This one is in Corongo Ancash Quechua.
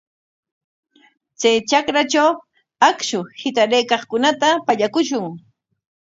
Chay trakratraw akshu hitaraqkunata pallakushun.